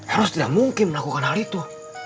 harus tidak mungkin melakukan hal itu